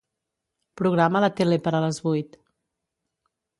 Programa la tele per a les vuit.